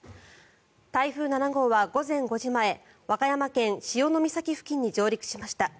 台風７号は午前５時前和歌山県・潮岬付近に上陸しました。